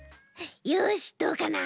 よしどうかな？